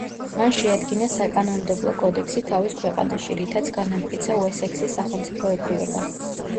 მან შეადგინა საკანონმდებლო კოდექსი თავის ქვეყანაში რითაც განამტკიცა უესექსის სახელმწიფოებრიობა.